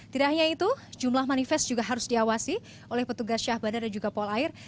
tidak hanya itu jumlah manifest juga harus diawasi oleh petugas syah bandar dan juga polair